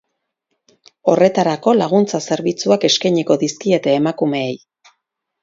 Horretarako, laguntza zerbitzuak eskainiko dizkiete emakumeei.